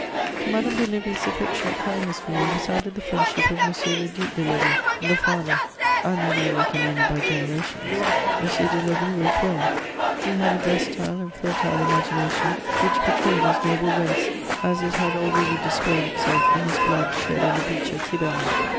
To Madame de Lévis' affectionate kindness for me was added the friendship of M. le Duc de Lévis, the father: I may now reckon only by generations. M. de Lévis wrote well; he had a versatile and fertile imagination which betrayed his noble race, as it had already displayed itself in his blood shed on the beach at Quiberon.